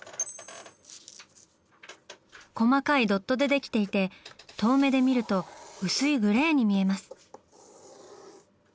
細かいドットでできていて遠目で見ると薄いグレーに見えます。